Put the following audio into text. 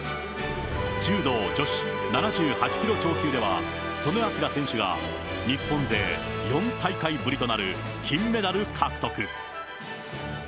柔道女子７８キロ超級では、素根輝選手が日本勢４大会ぶりとなる金メダル獲得。